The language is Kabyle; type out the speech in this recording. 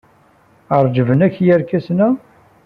Ɛerjben-k yerkasen-a.